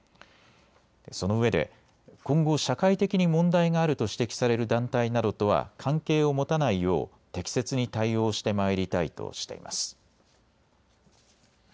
そのうえで今後、社会的に問題があると指摘される団体などとは関係を持たないよう適切に対応してまいりたいとしています。